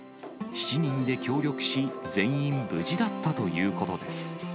７人で協力し、全員無事だったということです。